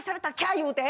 言うて。